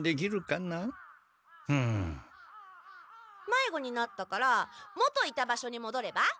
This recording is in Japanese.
まいごになったから元いた場所にもどれば？